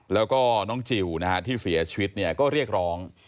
แล้วก็น้องจิลที่เสียชีวิตก็เรียกร้อง